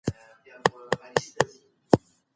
ميرويس خان نيکه څنګه د خلګو ترمنځ يووالی رامنځته کړ؟